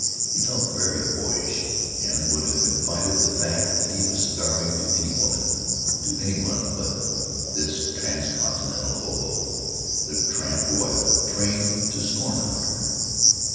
He felt very boyish, and would have confided the fact that he was starving to any woman, to any one but this transcontinental hobo, the tramp royal, trained to scorn hunger.